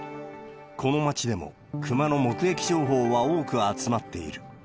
この町でも、クマの目撃情報は多く集まっている。